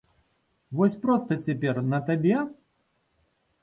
Вось проста цяпер, на табе?